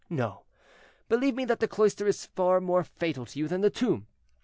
No, believe me that the cloister is more fatal to you than the tomb.